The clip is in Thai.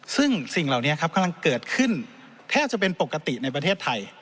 ซึ่งสิ่งเหล่านี้ครับกำลังเกิดขึ้นแทบจะเป็นปกติในประเทศไทย